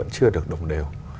nó cũng chưa được đồng đều